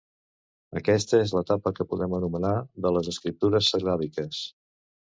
Aquesta és l'etapa que podem anomenar de les escriptures sil·làbiques.